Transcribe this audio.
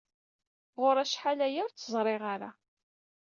Ɣur-i acḥal aya ur ttezriɣ ara.